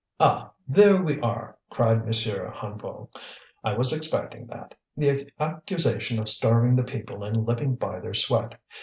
"Ah! there we are!" cried M. Hennebeau. "I was expecting that the accusation of starving the people and living by their sweat.